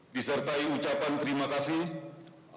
disertai ucapan terima kasih